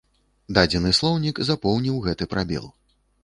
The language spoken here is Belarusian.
Дадзены слоўнік запоўніў гэты прабел.